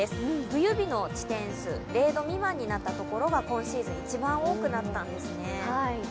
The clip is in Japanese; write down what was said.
冬日の地点数、０度未満になった所が今シーズン一番多くなったんですね。